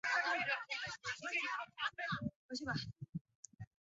纾缓留职停薪者的经济压力